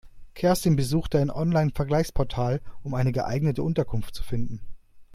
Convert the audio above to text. Kerstin besuchte ein Online-Vergleichsportal, um eine geeignete Unterkunft zu finden.